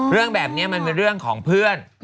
เรื่องแบบนี้มันเป็นเรื่องของเพื่อน